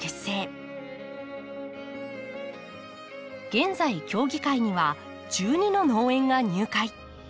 現在協議会には１２の農園が入会。